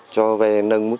cho vay nâng mức vốn